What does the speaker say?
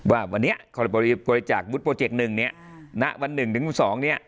ว่าวันนี้บริจาควุฒิโปรเจกต์๑เนี่ยณวัน๑ถึง๒เนี่ย